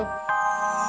dan suatu hal kami juga